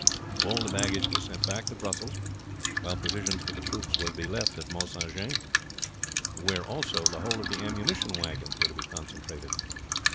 All the baggage was sent back to Brussels, while provisions for the troops were to be left at Mount St. Jean, where also the whole of the ammunition wagons were to be concentrated.